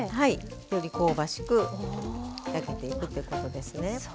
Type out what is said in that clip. より香ばしく焼けていくってことですね。